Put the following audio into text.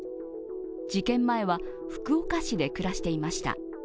事件前は福岡市で暮らしていました。